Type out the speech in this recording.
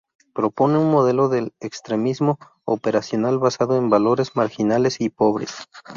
Propone un modelo de extremismo operacional basado en valores marginales y pobres.